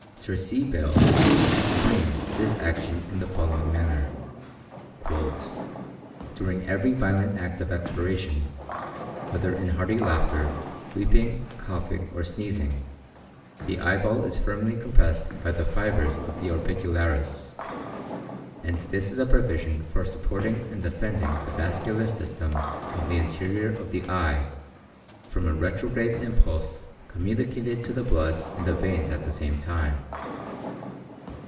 Sir C. Bell explains this action in the following manner:—"During every violent act of expiration, whether in hearty laughter, weeping, coughing, or sneezing, the eyeball is firmly compressed by the fibres of the orbicularis; and this is a provision for supporting and defending the vascular system of the interior of the eye from a retrograde impulse communicated to the blood in the veins at that time.